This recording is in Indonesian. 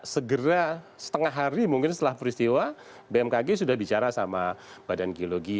segera setengah hari mungkin setelah peristiwa bmkg sudah bicara sama badan geologi